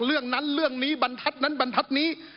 เรื่องนั้นเรื่องหนีบันทัดนั้นบันทัดนี้